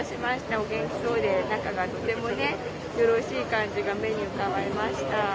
お元気そうで、仲がとてもよろしい感じが目に浮かびました。